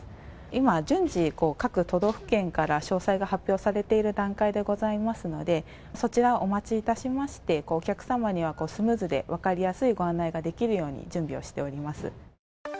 今、順次、各都道府県から詳細が発表されている段階でございますので、そちらをお待ちいたしまして、お客様にはスムーズで分かりやすいご案内ができるように準備をしております。